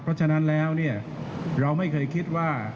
เพราะฉะนั้นแล้วเนี่ยเราไม่เคยคิดว่า